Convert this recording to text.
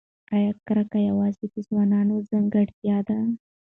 ایا کرکه یوازې د ځوانانو ځانګړتیا ده؟